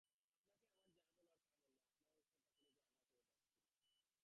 আপনাকে আমার যা বলার তা বললাম, আপনার অসুস্থতার কোনো কারণ ধরা যাচ্ছে না।